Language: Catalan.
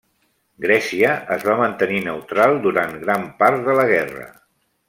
Grècia es va mantenir neutral durant gran part de la guerra.